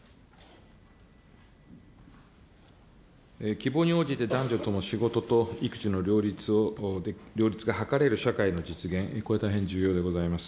希望に応じて男女とも仕事と育児の両立が図れる社会の実現、これ、大変重要でございます。